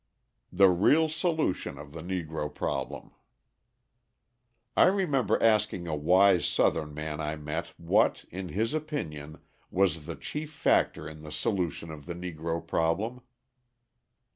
The Real Solution of the Negro Problem I remember asking a wise Southern man I met what, in his opinion, was the chief factor in the solution of the Negro problem.